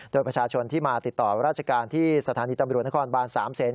โดยประชาชนที่มาติดต่อราชการที่สถานีตำรวจนครบาน๓เซน